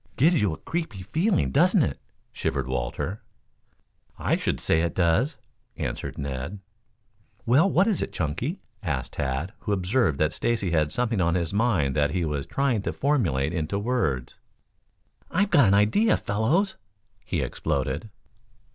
"Gives you a creepy feeling, doesn't it?" shivered Walter. "I should say it does," answered Ned. "Well, what is it, Chunky?" asked Tad, who observed that Stacy had something on his mind that he was trying to formulate into words. "I've got an idea, fellows," he exploded.